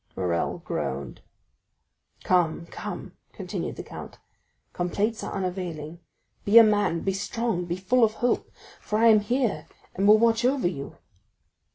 Morrel groaned. "Come, come," continued the count, "complaints are unavailing, be a man, be strong, be full of hope, for I am here and will watch over you."